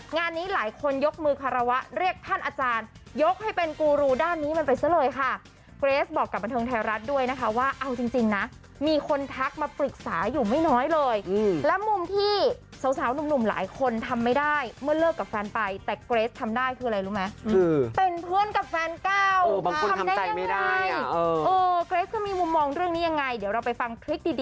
งานนี้หลายคนยกมือคารวะเรียกท่านอาจารยกให้เป็นกูรูด้านนี้มันไปซะเลยค่ะเกรสบอกกับบันเทิงไทยรัฐด้วยนะคะว่าเอาจริงจริงนะมีคนทักมาปรึกษาอยู่ไม่น้อยเลยและมุมที่สาวสาวหนุ่มหลายคนทำไม่ได้เมื่อเลิกกับแฟนไปแต่เกรสทำได้คืออะไรรู้ไหมคือเป็นเพื่อนกับแฟนเก่ามาทำได้ยังไงเออเกรสก็มีมุมมองเรื่องนี้ยังไงเดี๋ยวเราไปฟังคริ